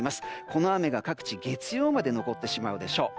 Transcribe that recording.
この雨が各地、月曜まで残ってしまうでしょう。